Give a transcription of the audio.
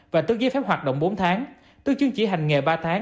và tước giấy phép hoạt động bốn tháng tước chứng chỉ hành nghề ba tháng